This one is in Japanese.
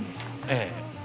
ええ。